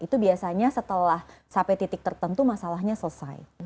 itu biasanya setelah sampai titik tertentu masalahnya selesai